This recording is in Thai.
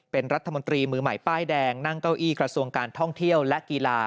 เป็นรัฐมนตรีมือใหม่ป้ายแดงนั่งเก้าอี้กระทรวงการท่องเที่ยวและกีฬา